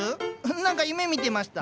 何か夢みてました？